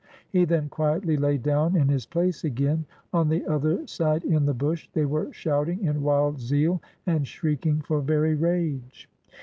He then quietly lay down in his place again. On the other side, in the bush, they were shouting in wild zeal and shrieking for very rage.